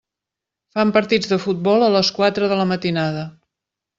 Fan partits de futbol a les quatre de la matinada.